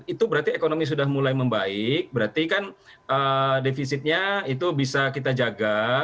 itu berarti ekonomi sudah mulai membaik berarti kan defisitnya itu bisa kita jaga